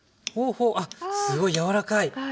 あっすごい柔らかい。